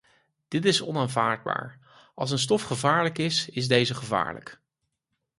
Dit is onaanvaardbaar: als een stof gevaarlijk is, is deze gevaarlijk.